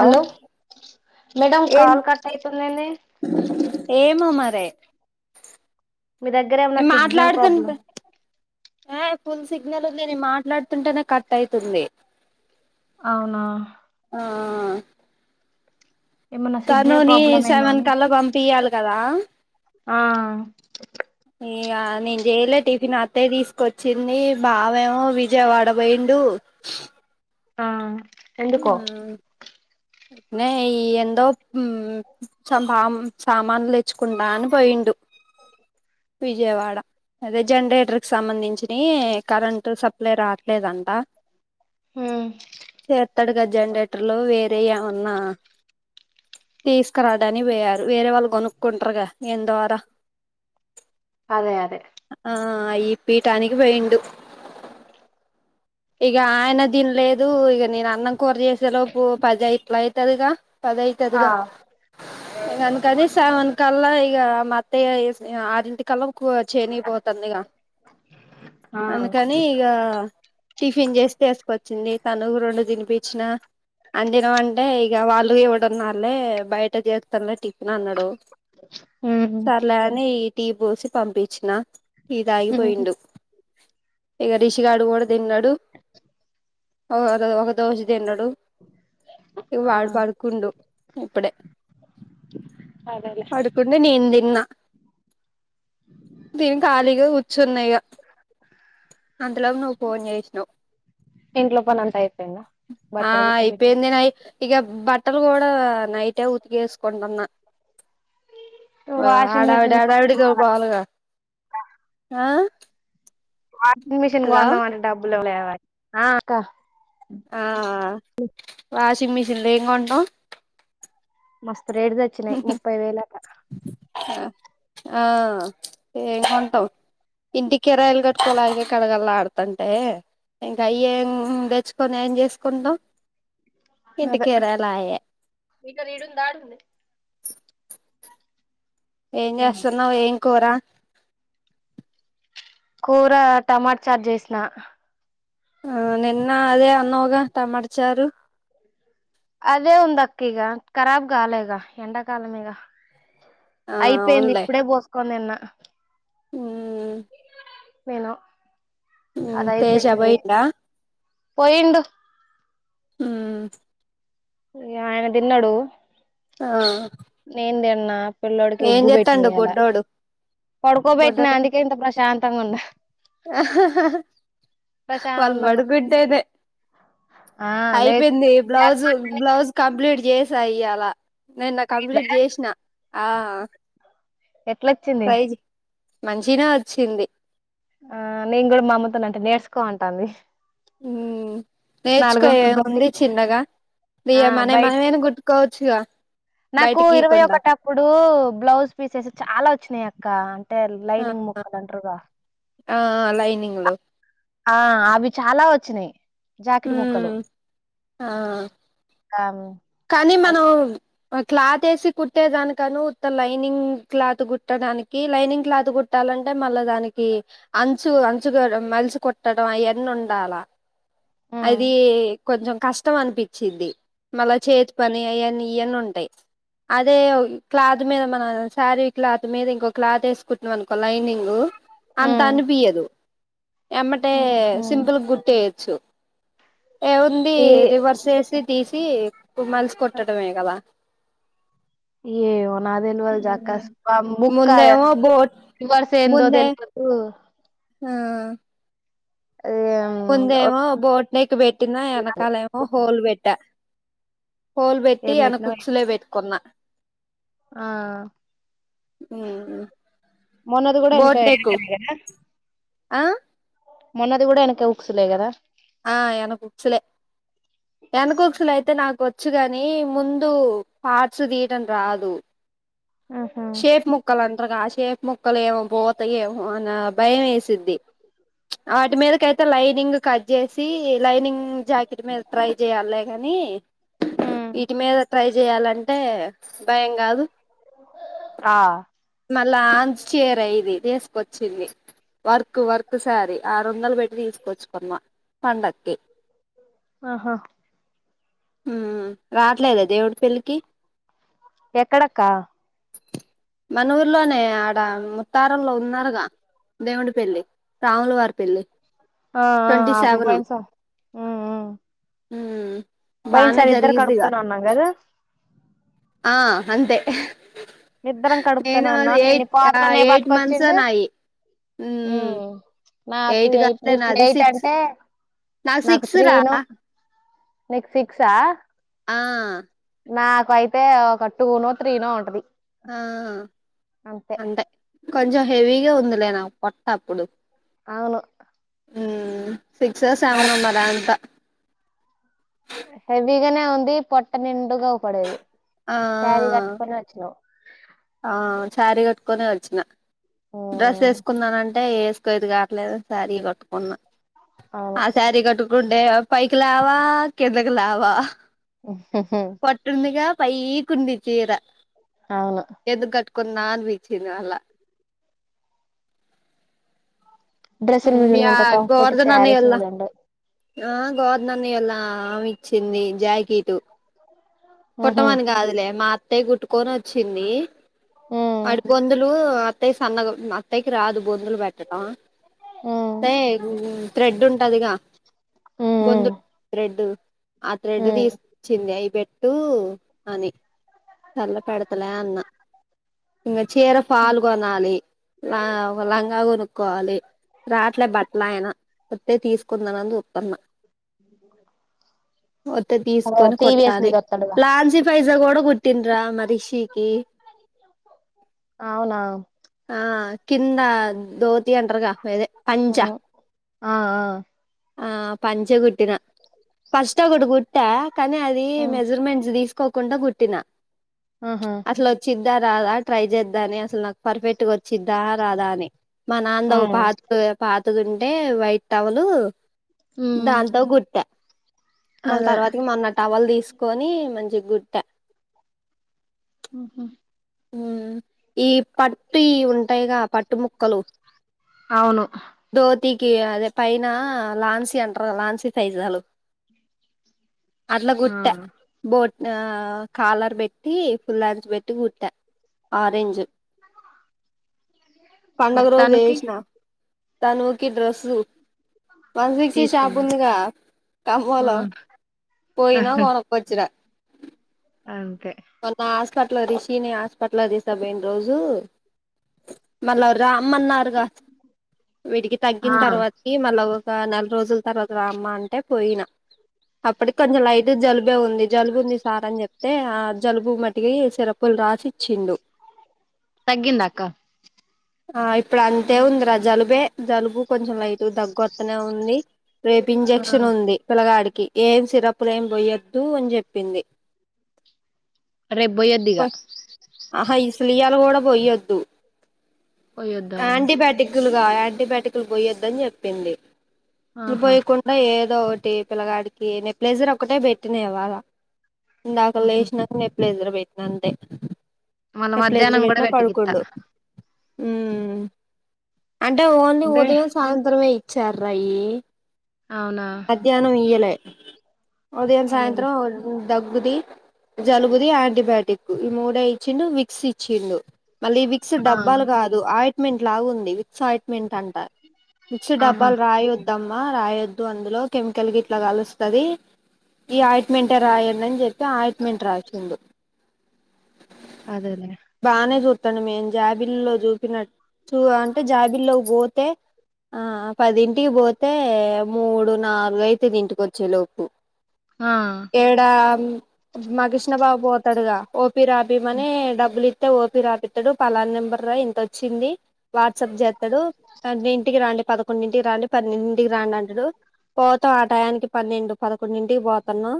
Hello madam ఏం call cut అవుతుందెంది తే మీ దగ్గరేమన్నా సిగ్నల్ ప్రాబ్లం ఆ ఫుల్ సిగ్నల్ ఉందిే మాట్లాడుతుంటేనే కట్ అయితుంది అవునా ఆ ఏమన్నా సిగ్నల్ తనుని ప్రాబ్లమ్ ఏమో సేవన్ అని కల్లా పంపి అ కదా ఆ ఇక నేను చేయలే టిఫిన్ అత్తయ తీసుకొచ్చింది బావేమో విజయవాడ పోయిండు ఆ ఎందుకో హ్మ్మ్ ఇనే ఈ ఎందో సా సామానులు తెచ్చుకుంటా అని పోయిండు మ్ విజయవాడ అదే జనరేటర్ కి సంబంధించిన కరెంట్ సప్లై రా లేదంటా హ్మ్మ్ చేతాడుగా జనరేటర్ లో వేరే ఏమన్నా తీ క్క రాడాని వయారు వేరే వాళ్ళ గొ కుంట్రగా ఎంత వార అదే అదే ఆ ఈ పీఠానీనికి పోయిడు ఇక ఆయన దీన్లేదు ఇక నేను అన్నం కూర చేసేలోపు పద ఇట్లా అవుతది ఇక ఆ పదైతుదిగా ఇనకద సవన్ కల్ ఈ మ ఆరింటి కల్ ఎక్కువ చేనిగిపోతుంది ఇక ఆ అందుకని ఇగా టిఫిన్ చేసి వసుకొచ్చింది తను రెండు తినిపించిన అందిన అంటే ఇక వాళ్ళు ఇవడున్నా వాళ్ళే బయట చేస్తస్తనులే టిఫిన్ అన్నాడు ఉమ్ సర్లే అని టీ పోసి పంపించిన టీ తాగి ఉమ్ పోయిండు ఇగ రిషిగడు కూడా తిన్నాడు డు ఓ ఒక ఓ ఒక దోశ తిన్నాడు ఇ ఆ వాడు పడుకుండు ఇప్పుడే అదేలే పడుకునే నేను తిన్నా దీన కాలిగా సున్నయగా అంతలోకి నువ్వు ఫోన్ చేసి ఇంట్ లో పనంతాయి ఆ అయిపోయిందినాయ్ ఇక బట్టలు కూడా నైటే ఉతికేసుకుంటున్నా అ వాషింగ్ మిషిన్ ఆడావడి ఆడావిడిగా గోల గా వాషింగ్ మిషన్ కొందమంటే అంటే డబ్బులు లేవా ఆ అక్క ఆ వాషింగ్ మిషన్ ఏమ్ కొంటం మస్త్ రేట్ సచ్చినాయ్ ముప్పై వేల దాకా ఆ ఏం కొంటాం ఇంటి కిరాయలు కట్టుకోలేకే గల గలాడుతంటే ఇంకా అవి ఏం తెచ్చుకొని ఏం చేసుకుంటాం ఇంగ ఇంటి అదే కిరాయిలు ఆయే ఇక్క నీడుందా ఏం చేస్తున్నావ్ ఏం కూర కూర టమాట చారు చేసిన ఆ నిన్న అదే అన్నావ్గా టమాట చారు అదే ఉందక్క ఇగ కరాబ్ కాల ఇక ఎండాకాలం కదా ఆ అయిపోయింది ఇప్పుడే పోసుకోని తిన్న హుమ్ నేనూ తేజా బోయిండా పోయిండు హ్మ్ ఇ ఆయన తిన్నడు ఆ నేన్ తిన్నా పిల్లోడికి ఏం ఉగ్గు పెట్టిన చేత్తాండు ఇయ్యాల బుడ్డోడు పడుకోబెట్టినా బుడ్డోడు అందుకే ఇంత ప్రశాంతంగా ఉన్నా వాళ్ళు ప్రశాంతంగా పడుకుంటేనే ఆ లే అయిపోయింది బ్లౌజు బ్లౌజ్ కంప్లీట్ జేస ఇయ్యాలా నిన్నకంప్లీట్ చేసిన ఆ ఎట్లొచ్చింది సైజు మంచినే వచ్చింది ఆ నేను కూడా మామ్మతోనంటే నేర్చుకో అంటంది ఉ నేర్చుకో వందల ఎం ఉంది బట్టకి చిన్నగా వి ఆ ఏ మనం మనయ్ మనం బయటికి ఐన కుట్టుకోవచ్చుగా నాకు బయటికి ఇరవై గీయకుండా ఒకటప్పుడు బ్లౌజ్ పీసేస్ చాలా వచ్చినాయి అక్ కా టే ఆ లైనింగ్ ముక్కాలండ్రగా ఆ లైనింగ్ లో ఆ అవి చాలా వచ్చినాయి ఉ జాకెట్ ముక్కలు ఆ ఆమ్ కానీ అయి మనం క్లాత్ వేసి కుట్టేదానికను ఉత్త లైనింగ్ క్లాత్ కుట్టడానికి లైనింగ్ క్లాత్ కుట్టాలంటే మళ్ళా దానికి అంచు అంచు గడ మలిచి కుట్టడం అయ్యన్నీ ఉండాల హ్మ్ అది కొంచెం కష్టం అనిపించింది మళ్ళా చేతి పని ఆయన్ని ఇవన్నీ ఉంటాయి అదే క్లాత్ మీద మన శారీ క్లాత్ మీద ఇంకో క్లాత్ వేసి కుట్టినమానుకో అనుకో లైనింగ్ అంతా హ్మ్ అనిపియ్యదు ఎమ్మటే హుహు సింపుల్ గుటే చో ఏముంది ఈ రివర్స్ ఏసి తీసి మలుసు కొట్టడమే గదా ఏయో నాక్ తెలువదు జాక్కస్ ముక్క ముందేమో బోట్ ఇ వర్స ఎందో ముందే తెలువదు ఆ ముందేమో ఒక- బోట్ నెక్ పెట్టినా వెనకాలేమో హోల్ వెట్టా హోల్ పెట్టి ఏం వెనుక పెట్టినవో కుక్స్లే పెట్టుకున్నా ఆ మొన్నది కూడా వెనుక బోట్ నెక్ వెనుక నేనా ఆ మొన్నది కూడా వెనక ఊక్సులే కదా ఆ వెనక ఊక్సులే వెనక ఉక్సులు అయితే నాకు వచ్చు కాని ముందు పార్ట్స్ తీయడం రాదు ఆహా షేప్ ముక్కల్ అంటారు కాశు సేపు ముక్కలు ఏమో పోత ఏమో అన్న భయం వేసింది వాటి మీదకైతే లైనింగ్ కట్ చేసి లైనింగ్ జాకెట్ మీద ట్రై చేయాలి లే కానీ హ్మ్ వీటి మీద ట్రై జెయలన్ అంటే భయం కాదు ఆ మళ్ళా ఆజ్ చీర ఇది తీసుకొచ్చింది వర్క్ వర్క్ సారీ ఆరు వందలు పెట్టి తీసుకొచ్చుకున్నా పండక్కి ఆహా ఉ రావట్లేదా దేవుడి పెళ్ళికి ఎక్కడ అక్క మన ఊర్లోనే ఆడ ముత్తారంలో ఉన్నారుగా దేవుని పెళ్లి రాముల వారి పెళ్లి ఆ ట్వంటీ ఆ అప్పుడు సెవెన్ పోయింది స ఉ ఉ బానే పోయినసారి ఇద్దరు కడుపుతో జరిగిద్దిగా ఉన్నాం గాదా. ఆ అంతే ఉహ్ ఇద్దరం కడుపుతోనే ఉన్నాం, నేను పాతలనే ఎయిట్ మంత్స్ పట్టుకొచ్చిండు. నాయి ఉమ్ మాకు ఎయిట్ నుంచి ఎయిట్ అంటే నా సిక్సరా నెక్స్ట్ సిక్సా ఆ నాకైతే ఒక టూ నో, త్రీ నో ఉంటది. ఆ అంతే అంటే కొంచెం హెవీగా ఉందిలేనా పొట్ట అప్పుడు. అవును ఊ సిక్స్, నడ సెవెన్ మరి అంత హెవిగానే ఉంది. పొట్ట నిండుగా పడిఉంది. ఆ సారీ కట్టుకుని వచ్చినవ్ ఆ శారీ కట్టుకొనే వచ్చిన. డ్రెస్ వేసుకున్నానుండి. అంటే వేసుకోయది కావట్లేదు, సారి కొట్టుకున్నా. అవును ఆ సారీ కట్టు గుండే పైకిలావా, కిందకిలావా హు హు పై కుంది చీర అవును కున్నాన్ వీచిన అల డ్రెస్ల మీద యా ఉన్నంత కంఫర్ట్ గోవర్ధన్ స్యారీస్ అన్నయోల్ల మీద ఉండవు. ఆ గోధన్న ఎలా ఇచ్చింది జాకెట్ కుట్టమని ఉండవు కాదులే మాత అట్టే కుట్టుకొని వచ్చింది. అడుగొందులు సన్నగు అత్తకి రాదు. బొందులు పెట్టడం అంటే థ్రెడ్ ఉంటదిగా బొందులు థ్రెడ్ అ తెడ్ తీసిింది అవి పెట్ అటు అని సర్లె పెడతలే అన్న ఇంక చీర ఫాల్ కొనాలి ఆ ఒక లంగా కొను క్కోవాలి రాట్లే బట్టలాయన వత్తే తీసుకుందామని చూత్తన్న వత్తే తీసుకొని టీవీఎస్ కుట్టాలి మీద వస్తాడుగా లాల్చీ పైజా కూడా కుట్టిన్రా మా రిషీకి అవునా ఆ కింద దోతి అంటారుగా ఆదే ఓ ఆ ఆ ఆ పంచకుట్టిన ఫస్ట్ ఒకటి కుట్టా కానీ అది ఆ, మెజర్మెంట్స్ తీసుకు కోకుండా కుట్టిన ఆహా అసలొచ్చిద్ద రాదా ట్రై చేద్దాని అసలు నాకు పర్ఫెక్ట్ గా వచ్చిద్దా రాదా అని మా నాన్నది ఆ ఒక పాత పా పాతది ఉంటే వైట్ టవలు ఉమ్ దాంతో గుర్ట్ట మళ్ళ్ అదే తర్వాతకి మొన్న టవల్ తీసు తీసుకొని మంచిగ కుట్ట ఊహూ ఈ పట్టుయి ఉంటాయిగా పట్టు ముక్కలు అవును టికి అదే పైన లాన్సీ అంటరుగ లాన్సీ సైజాలు అట్లా ఆ కుట్ట బోట్ ఆ కాలర్ పెట్టి ఫుల్ హేన్స్ పెట్టి కుట్ట ఆరెంజు పండగ రోజు మర్తానికి ఏసిన తనూకి డ్రస్సు వన్ ఫిఫ్టీ షాపు తీసుకున్నాం ఉందిగా ఆ కమ్మంలో ఆ, పోయినా కొనుకొచ్చిన ఓకే మొన్న హాస్పిటల్ రిషిని హాస్పిటల్ తీసుకుపోయిన రోజు మళ్ళా రామ్మన్నారు వీడికి తగ్గిన ఆ తర్వాతకి మళ్ళా వస్ ఆ నెల రోజుల తర్వాత రామ్మ అంటే పోయిన అప్పటికి కొంచెం లైట్ జలుబే ఉంది జలుబు ఉంది సార్ అని చెప్తే జలుబు మటికి సిరప్పులు రాసిచ్చిండు తగ్గిందాక్క ఆ ఇప్పుడు అంతే ఉందిరా జలుబే జలుబు కొంచెం లైట్ దగ్గొత్తనే ఉంది రేపు ఆ ఇంజక్షన్ ఉంది పిల్లగాడికి ఏం సిరపులు ఏం పొయ్యద్దు అని చెప్పింది రేప్ పొయ్యద్దిగా ఇయ్యాల కూడా పొయొద్దు పోయద్దా గా యాంటీబయాటికులు పోయొద్దని చెప్పింది ఆహా పోయకుంటె ఏ ఏదో ఒకటి పిల్లగాడికి నెక్ ప్లేజర్ ఒకటే పెట్టిన ఇవాల దాకలో ఉహు వేశినా నెప్ల ఇద్రపో అంతే మళ్ళ మధ్యాహ్నం కూడా చెప్లేజరుబెట్న పెట్టకిత్తా పడుకుండు మ్మ్ అంటే ఓన్లీ అంటే ఉదయం, సాయంత్రమే చెర్రయి అవునా మధ్యానం ఈయలే ఉదయం, అదేలే సాయంత్రం దగ్గుది, జలుబుది, ఆంటీబయాటిక్ ఈ మూడే ఇచ్చిండు. విక్స్ ఇచ్చిండు మళ్ళీ క్స్ ఆ డబ్బాలు కాదు ఆయి మెంట్ లాగా ఉంది సో ఆయన్టమెంటన్ విక్స్ ఆహా డబ్బాలు రాయోద్దాం రాయొద్దు అందులో కెమికల్ గిట్లా కలుస్తది. ఈ ఆయింట్మెంట్ రాయండి అని చెప్పి ఆయింట్మెంట్ రాసిచ్చినాడు అదేలే బానే జొప్ తనమే జాబిల్లో చూపినట్టు చూ అంటే జాబిల్లో పోతే ఆ పదింటికి పోతే మూడు, నాలుగు అయితది ఇంటికి వచ్చే లోపు ఆ ఏడా ఆ మా కిష్ణ బాబు వత్తాడుగా రాపిమని డబ్బులు ఇత్తే ఒ ఏ రాపిత్తడో పలా నెంబర్దని ఇంతొచ్చింది వాట్సాప్ జేత్తడు [inaudible] ఇంటికి రండి పద పదకొండింటికి రండి పన్నెండుంటికి రండి అంటడు పోతా ఆ టయానికి పన్నెండు, పదకొండుంటికి పోతాను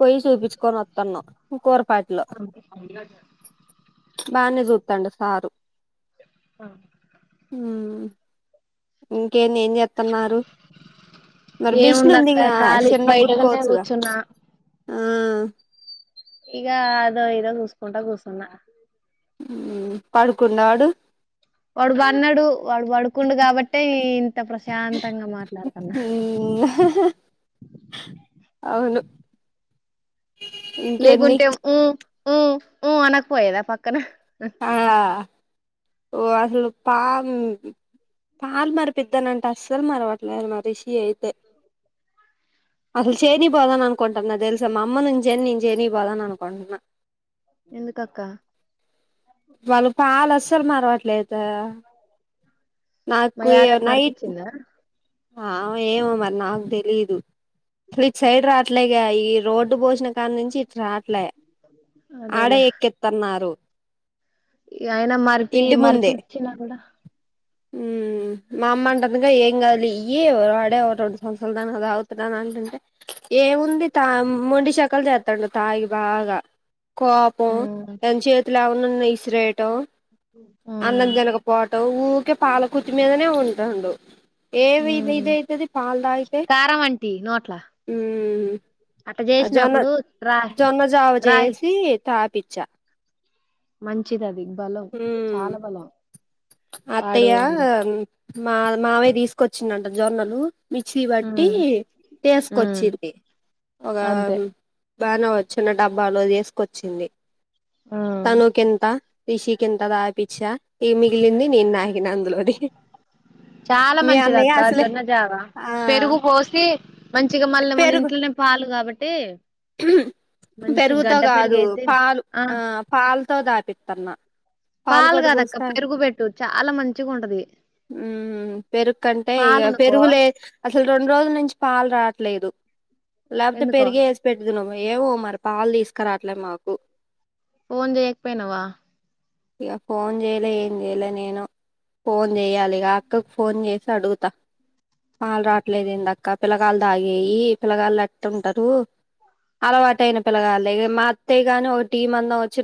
పోయి చూపించుకొని వత్తాన్ను [inaudible] బానే చూస్తాండు సారు ఆ ఇం ఏంది ఏం చేత్తన్నారు మరి మిషన్ ఉంది ఏముందక్క గా ఖాళీ చిన్నగా బయటగానే కుట్టుకోవచ్చుగా కూర్చున్నా ఆ ఇగ అదొ ఇదొ చూస్కుంటు కూచున్నా ఉమ్ పడుకుండాడు వాడు పండాడు వాడు పడుకుండు కాబట్టే ఇంత ప్రశాంతంగా మాట్లాడతన్నా అవును ఇంకేంది లేకుంటే ఊ ఊ ఊ అనకపోయేదా పక్కన ఆ ఓ అసలు పా పాలు మరిపిద్దాం అంటే అస్సలు మరవట్లేదు మా రిషీ అయితే అసలు చేనికి పోదామనుకుంటున్నా తెలుసా మా అమ్మ నుంచైనా నేను చేనికి పోదమనుకుంటున్నా ఎందుకక్క వాళ్ళు పాలు అస్సలు మరవట్లద్ మా నాకు యారాలు నై మరిపించిందా ఆమె ఏమొ మరి నాకు తెలీదు అసలు ఇటు సైడ్ రాట్లేదు గా ఈ రోడ్డు పోసిన కాడ నుంచి ఇటు రాట్లే ఆడ ఎక్కెత్తన్నారు అయినా మరిపి మరిపిచ్చిన కుడా హ్మ్ మా అమ్మ అంటందిగా ఏం కాదు లే ఇ యి వాడే ఒ రెండు సంవత్సరాలు అందానక తాగుతున్నడంటుంటే ఏమ మొండి తాం మొండి శెకల్ జత్ తండు తాగి బాగా కోపం ఉమ్ ఎం చేతుల ఎమ్ న్న ఇసురేయటం ఉమ్ అందుకుగనుక పోట్ ఊకే పాల కుతి మీదనే ఉంటాండు ఏవి ఉమ్ నిదయితది పాల్ దాగితే కారం అంటి నోట్ల అట్ట జొన్న చేసినప్పుడు రాయ్ జొన్న జావ చేసి తాపిచ్ఛ మంచిదది బలం ఉమ్ చాలా బలం వాడు అత్తయ్య ఉమ్ మా మావయ్య తీసుకొచ్చిండంట జొన్నలు మిక్సిబట్టి ఉమ్ తేసుకొచ్చింది ఒగ అంతే బాగానే ఓ చ్చిన డబ్బాలో తీసుకొచ్చింది ఉమ్ తనుకెంత రషి కి ఇంత తాగిపిచ్చా ఏమి మిగిళ్లింది నేను నాకిిన అందులోది చాలా మీ మంచిది అన్నయ్య అక్క అసలే జొన్న జావ ఆ పెరుగు పోసి మంచిగా మళ్ళీ మన ఇంట్లోనే పాలు కాబట్ తే ఉహు పెరుగుతో కాదు పెరిగేసి పాలు ఆ పాలతో తాపిస్తన్నా పాలు కూడా కాదక్క పోస్తా పెరుగు పెట్టు చాలా మంచిగా ఉంటది హు పెరుగుకుంటే ఇక పాలనుకో పెరుగులే అసలు రెండు రోజుల్ నుంచి పాలు రావట్లేదు లాకపోతే ఎందుకో పెరిగేస్ దిన్నము ఏమో మరి పాలు తీసుకురాట్లే మాకు ఫోన్ చేయకపోయినవా ఇక ఫోన్ చేయలే ఏం చేయలే నేను ఫోన్ చేయ్యాలి ఇక అక్కకు ఫోన్ చేసి అడుగుతా పాలు రాట్లేదు ఏం దక్క పిల్లగాళ్లు తాగేయి పిల్లగాళ్ళు ఎట్టుంటారు అలవాటు అయిన పిల్లగాళ్లు మా అత్తయ్య కాని ఒక టీ మందు వచ్చిన